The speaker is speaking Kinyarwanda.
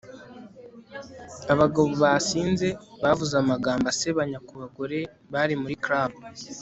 abagabo basinze bavuze amagambo asebanya ku bagore bari muri club